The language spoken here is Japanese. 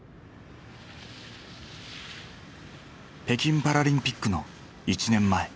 北京パラリンピックの１年前。